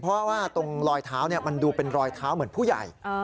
เพราะว่าตรงรอยเท้ามันดูเป็นรอยเท้าเหมือนผู้ใหญ่